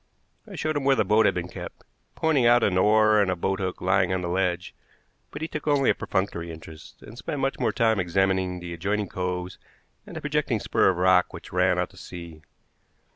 I showed him where the boat had been kept, pointed out an oar and a boathook lying on the ledge, but he took only a perfunctory interest, and spent much more time examining the adjoining coves and the projecting spur of rock which ran out to sea.